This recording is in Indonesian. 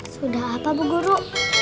sudah apa bu guru